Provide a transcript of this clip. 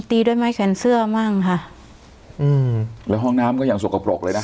ตีด้วยไม้แขนเสื้อมั่งค่ะอืมแล้วห้องน้ำก็ยังสกปรกเลยนะ